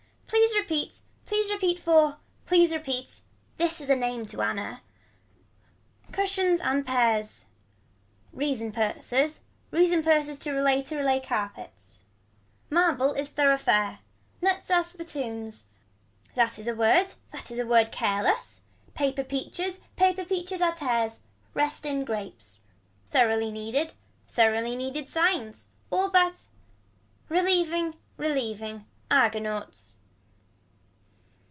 Please repeat. Please repeat for. Please repeat. This is a name to Anna. Cushions and pears. Reason purses. Reason purses to relay to relay carpets. Marble is thorough fare. Nuts are spittoons. That is a word. That is a word careless. Paper peaches. Paper peaches are tears. Rest in grapes. Thoroughly needed. Thoroughly needed signs. All but. Relieving relieving. Argonauts.